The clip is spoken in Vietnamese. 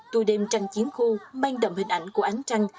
tua đêm trăng chiến khu mang đậm hình ảnh của ánh trăng